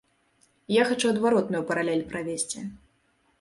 Я хачу адваротную паралель правесці.